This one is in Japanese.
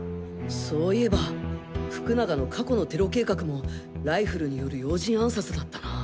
そういえば福永の過去のテロ計画もライフルによる要人暗殺だったな。